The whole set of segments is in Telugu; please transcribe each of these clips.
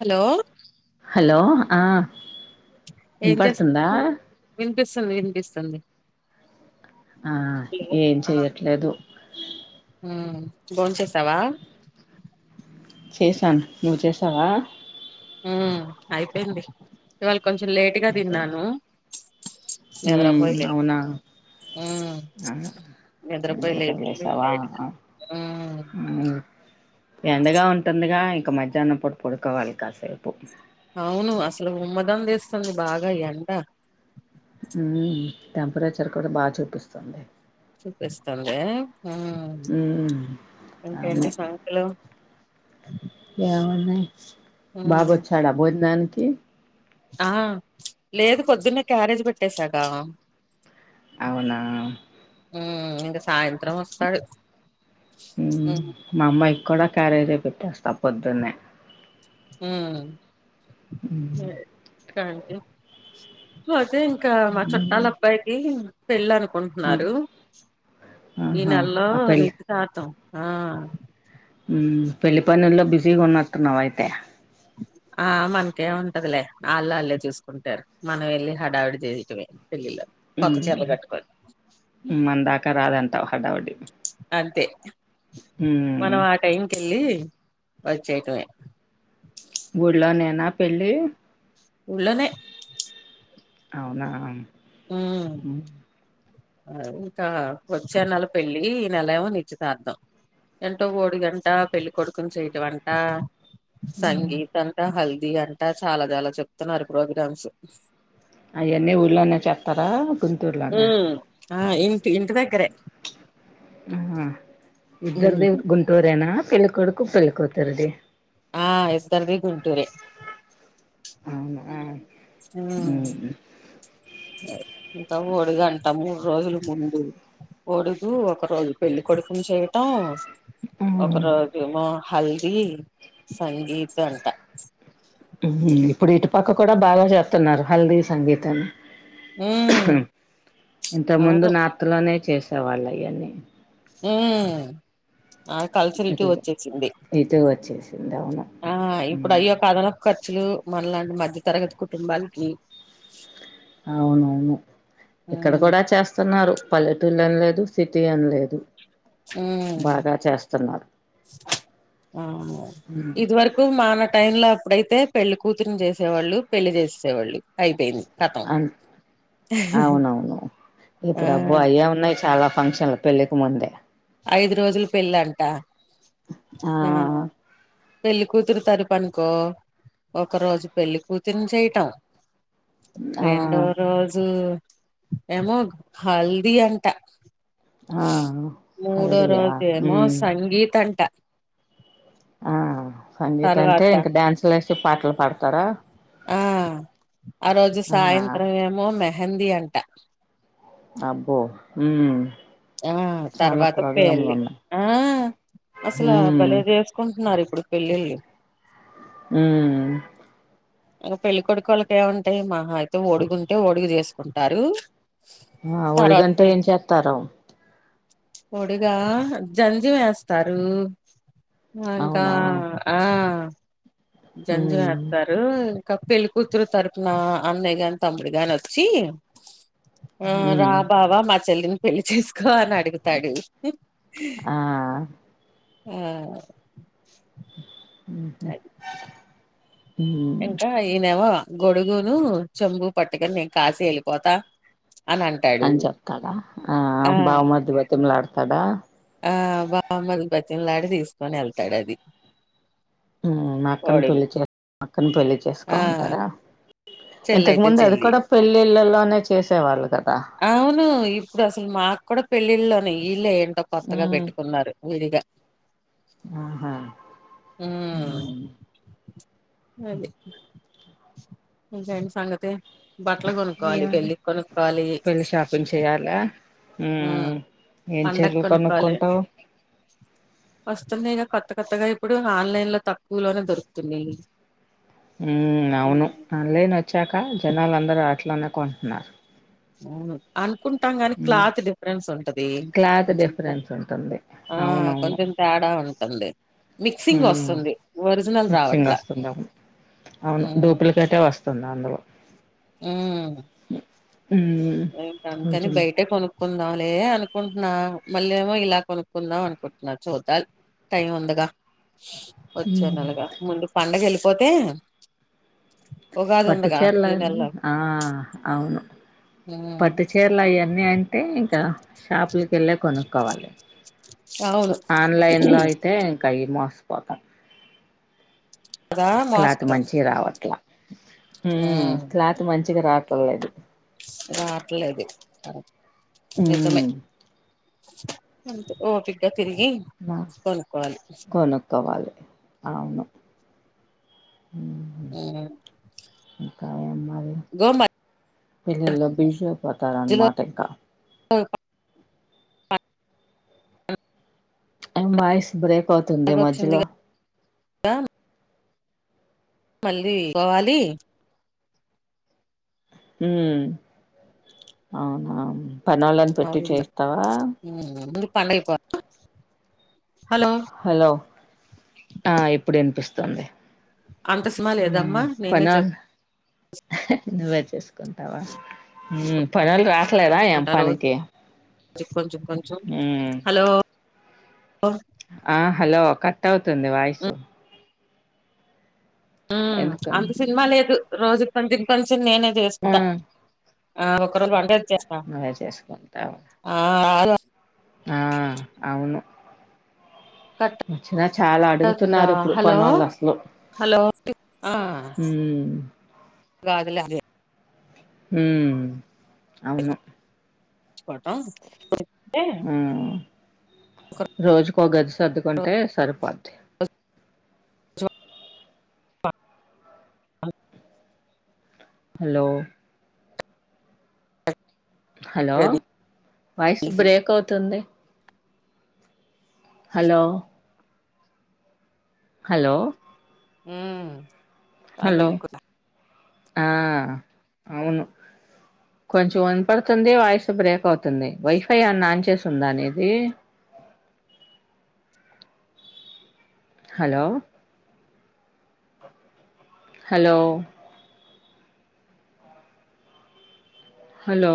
హలో హలో ఆ విన్పడుతుందా విన్పిస్తుంది విన్పిస్తుంది ఆ ఏం చెయ్యట్లేదు ఉమ్ బోన్ చేసావా చేశా న్ నువ్వు చేసావ ఉ అయిపోయింది ఇవాల్ కొంచెం లేటుగా అయిపోయింది తిన్నాను ఉమ్ నిద్రపోయలే అవునా హ్మ్ ఇప్పుడ నిద్రపోయి లేచింది ఇప్పుడ్తేసావా లేటుగా హయ్ హ్మ్ ఎండగా ఉంటుందిగా ఇంకా మధ్యాహ్నం పొడి పడుకోవాలి కాసేపు అవును అసలు ఉమ్మదం వేస్తుంది బాగ ఎండ ఉమ్ టెంపరేచర్ కూడా బాగ చూపిస్తుంది చూపిస్తుంది ఉమ్ ఉమ్ అవును ఇంకేంటి సంగతులు ఏమున్నాయి హ్మ్ బాబోచ్చాడ భోజనానికి ఆ లేదు పొద్దున్నే క్యారేజ్ పట్టేసాగా అవునా ఉమ్ ఇంగ ఉమ్ హ్మ్ మా అమ్మాయి కూడా క్యారేజ్ పెట్టేస్తా పొద్దున్నే ఉమ్ ఉమ్, [unintelligible] ఇంక మా చుట్టాల ఏమున్నాయి అబ్బాయికి పెళ్ళ ను కుంటున్నారు ఈ ఆహా నెల్లో ఆ పెళ్ళి నేర్చితార్ధం ఆ పెళ్లి పనుల్లో బిజీగా ఉన్నట్టున్నావయితే ఆ మనకే ఉంటదులే వాళ్ళళ్ళే చూసుకుంటారు మనం వెళ్ళి హడావిడి చేయటమే పెల్లిలో కొత్త చీరలు కట్టుకొని అంటా హడావిడి అంతే మనం ఆ టైమ్కి వెళ్ళి వచ్చేయ్టమే ఊళ్లో నేనా పెళ్ళి ఉల్లోనే అవునా ఉమ్ అ ఇంకా వద్చ్చే నెల పెళ్లి ఈ నెల ఏమో నిచ్చితార్ధం ఏంటో ఓడిగంట పెళ్ళికొడుకుని చేయటం అంట సంగీత్ అంతా హల్ ది అంటా చాలా చాలా చెప్తున్నారు ప్రోగ్రామ్స్ అయన్ని ఊళ్ళోనే చేస్తారా గుంటూరు లానే ఉమ్ ఆ ఇంటి ఇంటి దగ్గరే ఆ ఉమ్ ఇద్దరిది గుంటూరేనా పెళ్ళకొడుకు పెళ్లికూతురిది ఆ ఇద్దర్ది గుంటూరే అవునా ఉమ్ ఇకా ముడుఘంటా మూడు రోజుల ముందు కొడుకు ఒక రోజు పెళ్లి కొడుకుని చేయటం ఒకరోజేమో హల్దీ సంగీత్ అంట ఇప్పుడు ఇటుపక్క కూడా బాగా చేస్తున్నారు హల్దీ సంగీతని ఉమ్ ఇంత ముందు అవును నార్త్ లోనే చేసేవాళ్ళు ఈయన్ని ఉమ్ ఆ కల్చరీటు ఇటు వచ్చేసింది ఇటు వచ్చేసింది అవును ఆ ఇప్పుడు అయ్యో ఒక అదన లు మనలాంటి మధ్య తరగతి కుటుంబాలకి అవునవును ఇక్కడ ఉమ్ కూడా చేస్తున్నారు పల్లెటూళ్ళ అనలేదు సిటీ అనిలేదు బాగా చేస్తున్నా అ ఇది వరకు మన టైం ల ఇప్పుడైతే పెళ్లి కూతుర్ని చేసేవాళ్ళు పెళ్లి చేసేవాళ్ళు అయిపోయింది కథం అ అవునవును ఇప్పుడు అబ్బో అయే ఉన్నాయి చాలా ఫంక్షన్లు పెళ్ళికి ముందే ఐదు రోజులు పెళ్ళంట ఆ ఊ పెళ్ళికూతురు తరుపునుకో ఒక రోజు పెళ్ళికూతుర్ని చేయటం ఆ రెండో రోజు ఏమో హల్దీ అంట ఆ మూడో హల్దియా రోజేమో ఉమ్ సంగీత్ అంట ఆ సంగీత అంటే తర్వాత ఇంకా డ్యాన్సులు ఏసి పాటలు పాడతారా ఆ ఆ రోజు సాయంత్రం ఏమో మెహిందీ అంట అబ్బో ఉమ్ ఆ చాలా తర్వాత ప్రోగ్రాంలు పెళ్లి ఉన్నాయి ఆ అసలు ఉమ్ బలే చేసుకుంటున్నారు ఇప్పుడు పెళ్లిళ్లు ఊ ఇంక పెళ్ళికొడుకు వాళ్ళకి ఏమంటాయి మాహా అయితే ఒడుగుంటే ఒడుగు చేసుకుంటారు ఆ తర్వాత ఒడుగంటే ఏం చేస్తార ఒడుగా జంద్యం వేస్తారు అంకా అవునా ఆ జంద్యం ఉమ్ వేస్తారు ఇంకా పెళ్ళికూతురు తరుపున అన్నయ్య గాని తమ్ముడు గాని వచ్చి ఆ రా ఉమ్ బావ మా చెల్లిని పెళ్లి చేసుకో అని అడుగుతాడు ఆ ఊ అది ఉమ్ ఇంకా ఈయనేమో గొడుగును చెంబు పట్టుకని నేను కాసికి వెళ్ళిపోతా అని అంటాడు అని చెప్తాడా ఆ బామ్మర్ది బతిమలాడతాడా ఆ బామ్మర్ది బ్రతిమిలాడి తీసుకొని వెళ్తాడు అది మా అక్కను కోడుగు పెళ్లి చే అక్కను పెళ్లి చేసుకో ఆ అంటాడా ఇంతకు చెల్లయితే ముందు అది చెల్లి కూడా పెళ్ళిళ్ళలోనే చేసేవాళ్ళు కదా అవును ఇప్పుడు అసలు మాకు కూడా పెళ్లిళ్ల్లోనే వీళ్ళే ఏంటో కొత్తగా ఉమ్ పెట్టుకున్నారు విడిగా ఆహా ఊ హ్మ్. అది ఇంకేంటి సంగతి బట్టలు కొనుక్కోవాలి పెళ్లికి కొనుక్కోవాలి పెళ్ళి షాపింగ్ చేయాలా ఉ హ్మ్. ఏం పండక్కి చీరలు కొనుక్కోవాలి. కొనుకుంటావ్ వస్తున్నాయిగా కొత్త కొత్తగా ఇప్పుడు ఆన్లైన్ లో తక్కువలోనే దొరుకుతుంది ఉ అవును ఆన్లైన్ వచ్చాక జనాలుందరూ అట్లానే కొంటున్నారు అవును అనుకుంటాం కానీ ఉమ్ క్లాత్ డిఫరెన్స్ ఉంటది క్లాత్ కొంచెం డిఫరెన్స్ ఉంటుంది ఆ అవునవును కొంచెం తేడా ఉంటుంది మిక్సింగ్ వస్తుంది. ఒరిజినల్ మిక్సింగ్ రావట్లా. వస్తుంది అవును అవును డూప్లికేటే వస్తు రెండు వందలు ఉమ్ మ్మ్ ఇంక అంతేని కొంచెం బయటే కొను క్కుందాంలే అనుకుంటున్నా మళ్ళ ఏమో ఇలా కొనుక్కుందాం అనుకుంటున్నా చూడాలి టైం ఉందిగా వచ్చె నేలగా ముందు పండగ వెళ్ళిపోతే ఉగాది పట్టు ఉందిగా చీరాల ఈ నెలలో ఆ అవును ఉమ్, పట్టు చీరలయన్ని అంటే ఇంకా షాపులకేళ్ళే కొనుక్కోవాలి అవును ఆన్లైన్ లో అయితే ఇంకా ఈ మోసపోతాం కదా క్లాత్ మోస్తాం మంచిగా రావట్లా ఉ ఉమ్, క్లాత్ మంచిగా రావట్లేదు రావట్లేదు ఉ అంత ఓపిగా తిరిగి కొనుకోవాలి కొనుక్కోవాలి అవును ఉ అవును గో మరి ఇళ్ళల్లో బిగుసుకుపోతరనమాట ఇంకా [unintelligible] డి వాయిస్ బ్రేక్ అవుతు ఉంది పండగ వచ్చింది మధ్యలో కదా మళ్ళీ పోవాలి ఉమ్ అవునా పనోలను మా పెట్టి ఊరు. చేయిస్తావా ఉమ్, ముందు పండగ అయ్యి హలో ఆ ఇప్పుడినిపిస్తుంది అంత సినిమా ఉ లేదమ్మా నేనే పనా నువ్వే చేసుకుంటావా పనోలు రా వట్లేదా ఏం చేసుకుంటా రోజు పనికి కొంచెం కొంచెం కొంచెం ఉమ్ హాలో ఆ హాలో కట్ అవుతుంది వాయిసు ఉ అంత ఎందుకని సినిమా లేదు రోజు కొంచెం కొంచెం నేనే ఆ చేసుకుంటా ఆ ఒక్కరూ వం నువ్వే చేసుకుంటావు ఆ ఆ అవును కట్ వచ్చిన చాలా అవుతుందా అడుగుతున్నారు ఇప్పుడు హలో పనోళ్ళసలు హలో ఆ లాగులాగ హుం అవును ఇచ్చుకుంటాం కో ఉమ్ రోజుకో గది సర్దుకుంటే సరిపోది స అ హాలో హాలో వాయిస్ బ్రేక్ అవుతుంది హలో హలో హుమ్మ్ హలో కాదను కూన్న ఆ అవును కొంచెం వినపడుతుంది వాయిస్ బ్రేక్ అవుతుంది వైఫై అన్న ఆన్ చేసుందా నిది hello hello hello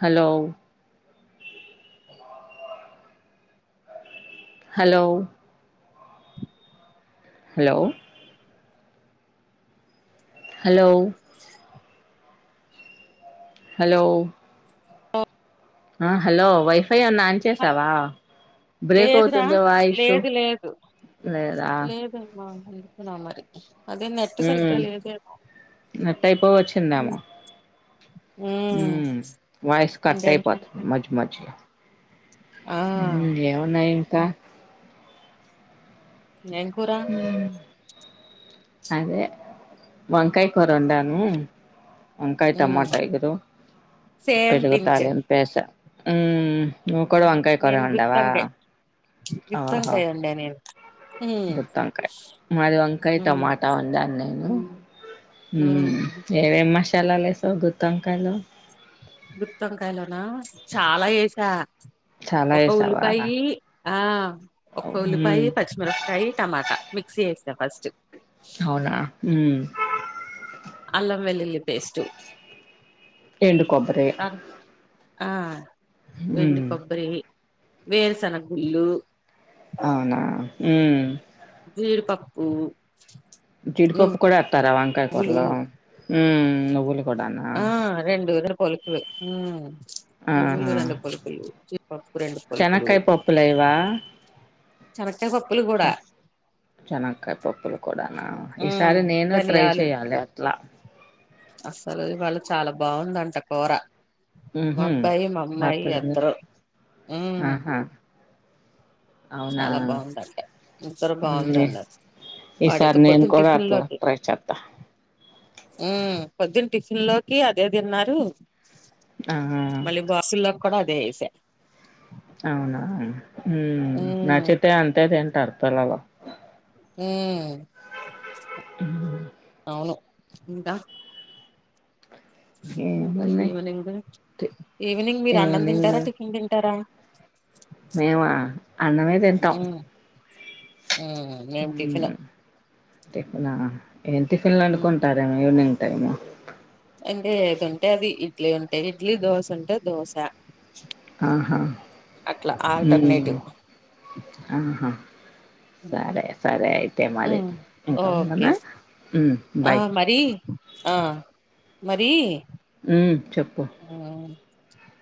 hello hello hello hello hello ఆ హలో వైఫై ఎన్న ఆన్ చేసావా బ్రేక్ లేదురా అవుతుంది వాయిసు లేదు లేదు లేదా లేదమ్మా ఎకున్న మరి అదే నెట్ మ్మ్ సరిగ్గలేదేమో నెట్ హు వాయిస్ కటై ఇంకేంటి పోతుంది మధ్య మధ్యలో ఆ ఇంకేమున్నాయ్ ఇంకా ఎం కూరా అదే వంకాయ్ కుర వండను వంకాయ ఉమ్ టమాటే కదూ సేమ్ పించ్ పెరుగుతాగను పెస హు నువ్ కూడా వంకాయ కురే నేను వండావా గుత్తొంకాయ్ ఆహ గుత్తొంకాయ్ వండా నేను గుతొంకాయ్ మాది వంకాయ్ ఉమ్ టమాటా ఉందండి ఉమ్ హుమ్మ్ ఏమేమి మసాలాలేసావ్ గుతోంకాయాలో గుతోంకాయలోనా చాలా ఎసా చాలా ఒక వేసావా ఉల్లిపాయి ఆ ఒక ఉల్లిపాయి ఉమ్ పచ్చిమిరపకాయి టమాటా మిక్సీ చేస్తా ఫస్ట్ అవునా హు అల్లం వెల్లుల్లి పేస్టు ఏండు కొబ్బరి ఆ ఆ వెండి ఉమ్ కొబ్బరి వేరుసేనగ గుళ్ళు అవునా హు హుమ్మ్ జీడిపప్పు కూడా ఎత్తర వంకాయ నువ్వులు కురలో హు నువ్వులు కూడానా? ఆ రెండు ఎదురు పలుకులు హు నువ్వులు రెండు పలుకులు చెనక్కయ్ పప్పులేయ్యవా ప్పులు కూడా చెనక్కయ్ పప్పులు కూడానా ఉమ్ ఈసారి నేను ట్రై చెయ్యాలి అట్లా అస్సలు ఇవాళ చాలా బాగుందంట కూర మా హుహు. అబ్బాయి మామ్మాయి భర్తగారు ఇద్దరు హుమ్మ్ ఆహా! అవునా? చాలా బాగుందంట ఇద్దరు బాగుంది హ్మ్. అన్నారు ఈసారి పడకపోతే నేను కూడా అట్లా టిఫన్లోద్దు ట్రై చేత్తా. హుమ్మ్ పొద్దున్న టిఫిన్ లోకి అదే తిన్నారు మళ్ళీ ఆహ బాక్సుల్లోకి కూడా అదే ఏసా అవునా హు ఉమ్ నాకైతే అంతే తె టర్థానబ ఉమ్ ను ఇంకా ఇంకా ఏముంది ఈవినింగ్ తి ఈవినింగ్ మీరు అన్నం ఈవినింగ్ తింటారా టిఫిన్ తింటారా మేమా అన్నమే తింటం ఉ మేం టిఫిన్, టిఫిన్ నా ఏ టిఫిన్ లు ఉమ్ వండుకుంటారేమో ఈవినింగ్ టైమ్, అంటే ఏదుంటే అది ఇడ్లీ ఉంటాయి, ఇడ్లీ దోశ ఉంటే దోశ, ఆహా అట్లా ఉ ఆల్టర్నేటివ్ ఆహా సరే సరే అయితే మరి ఉమ్ ఇంకా ఓకే ఉండన్న, ఆ మరి ఆ మరి ఊ చెప్పు ఆ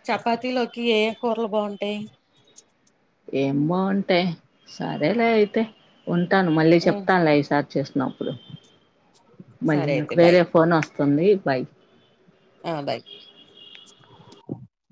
చపాతీలోకి ఏ కూరలు బాగుంటాయి. ఏం బాగుంటాయి సరేలే అయితే ఉ ఉంటాను మళ్ళీ ఉమ్ చెప్తానుగా ఈ సారి చూసినపుడు, మళ్ళీ సరే ఇంకో అయితే బాయ్ వేరే ఫోన్ వస్తుంది, బై ఆ బాయ్